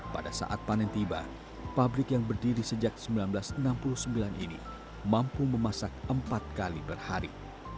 pada saat panen tiba pabrik yang berdiri sejak seribu sembilan ratus enam puluh sembilan ini mampu memasak empat kali per hari